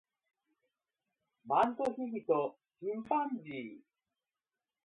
マントヒヒとチンパンジー